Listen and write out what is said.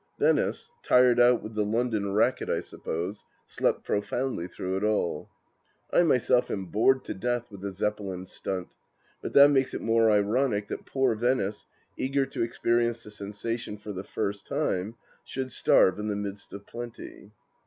Venice, tired out with the London racket I suppose, slept profoundly through it all. I myself am bored to death with the Zeppelin stunt, but that makes it more ironic that poor Venice, eager to experience the sensation for the first time, should starve in the midst of plenty.